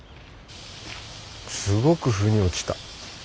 すごく腑に落ちた。